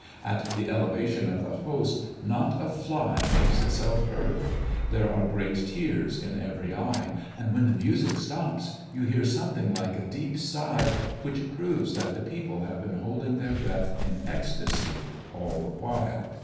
At the elevation of the Host, not a fly makes itself heard. There are great tears in every eye; and when the music stops, you hear something like a deep sigh, which proves that the people have been holding their breath in ecstasy all the while.